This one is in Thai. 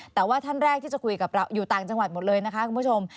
แต่ว่าท่านแรกที่จะคุยกับเราอยู่ต่างจังหวัดหมดเลยนะคะคุณผู้ชม